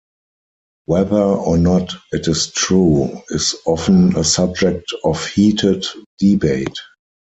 Whether or not it is true is often a subject of heated debate.